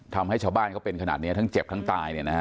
ทำให้ชาวบ้านเขาเป็นขนาดนี้ทั้งเจ็บทั้งตายเนี่ยนะฮะ